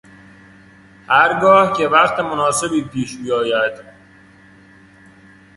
هرگاه که وقت مناسبی پیش بیاید